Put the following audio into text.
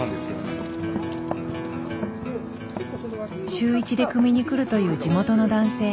週１でくみに来るという地元の男性。